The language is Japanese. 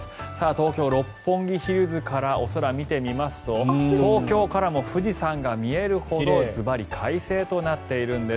東京・六本木ヒルズからお空を見てみますと東京からも富士山が見えるほどズバリ快晴となっているんです。